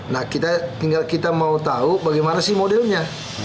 nah tinggal kita mau tahu bagaimana sih modelnya